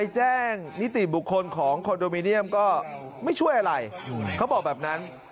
ช่วยอะไรเขาบอกแบบนั้น